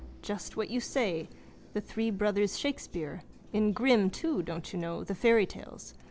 Just what you say. The three brothers Shakespeare. In Grimm too, don't you know, the fairytales.